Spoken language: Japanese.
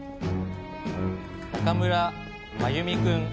中村真由美くん。